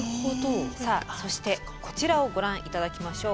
さあそしてこちらをご覧頂きましょう。